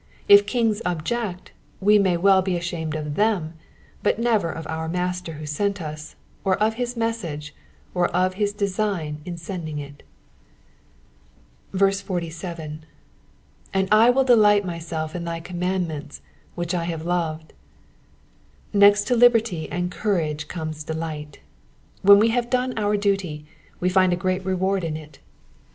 If kings object, we may well be ashamed of them, but never of our Master who sent us, or of his message, or of his design in sending it. 47. '''•And I wiU delight myself in thy cammandiaentSy ichich I have loved.'*^ Next to liberty and courage comes delight. When we have done our duty, we find a great reward in it.